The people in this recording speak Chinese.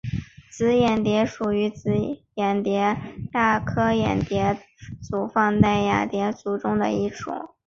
紫眼蝶属是眼蝶亚科眼蝶族黛眼蝶亚族中的一个属。